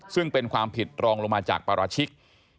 ซึ่งเป็นความผิดรองลงมาจากปราชิก